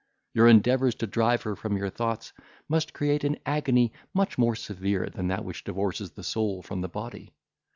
Your endeavours to drive her from your thoughts must create an agony much more severe than that which divorces the soul from the body.